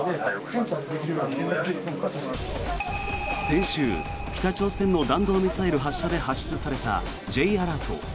先週、北朝鮮の弾道ミサイル発射で発出されたＪアラート。